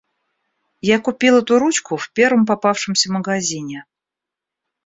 Я купил эту ручку в первом попавшемся магазине.